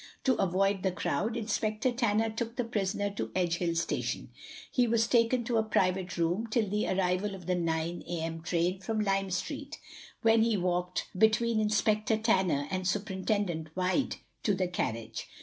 To avoid the crowd Inspector Tanner took the prisoner to Edgehill station. He was taken to a private room till the arrival of the nine a.m. train from Lime street, when he walked between Inspector Tanner and Superintendent Wide to the carriage.